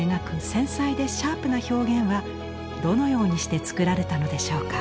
繊細でシャープな表現はどのようにして作られたのでしょうか？